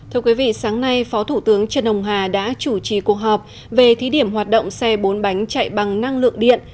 thưa quý vị sáng nay phó thủ tướng trần hồng hà đã chủ trì cuộc họp về thí điểm hoạt động xe bốn bánh chạy bằng năng lượng điện